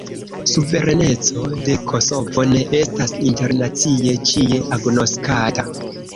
Suvereneco de Kosovo ne estas internacie ĉie agnoskata.